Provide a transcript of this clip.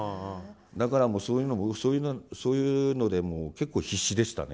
だからそういうのもそういうのでもう結構必死でしたね。